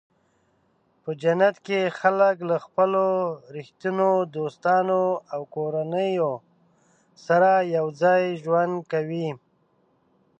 په جنت کې خلک له خپلو رښتینو دوستانو او کورنیو سره یوځای ژوند کوي.